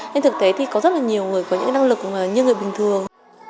nên thực tế thì có rất là nhiều người có những năng lực như người bình thường